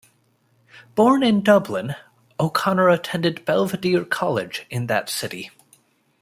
Born in Dublin, O'Conor attended Belvedere College in that city.